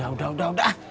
udah udah udah